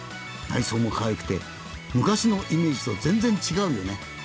内装も可愛くて昔のイメージと全然違うよね？」